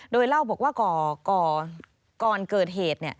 โดยเล่าบอกว่าก่อนเกิดเหตุ